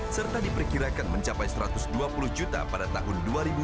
serta diperkirakan mencapai satu ratus dua puluh juta pada tahun dua ribu dua puluh